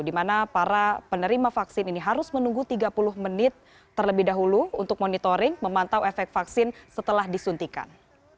di mana para penerima vaksin ini harus menunggu tiga puluh menit terlebih dahulu untuk monitoring memantau efek vaksin setelah disuntikan